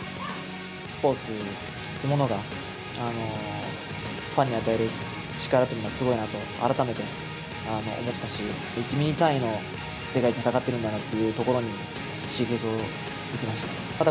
スポーツというものがファンに与える力というのはすごいなと、改めて思ったし、１ミリ単位の世界で戦ってるんだなというところに、刺激を受けました。